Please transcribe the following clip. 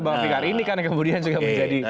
bahwa pikar ini kan kemudian juga menjadi masalah